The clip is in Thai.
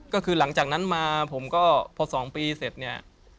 ก็คือหลังจากนั้นมาผมก็พอ๒ปีเสร็จเนี่ย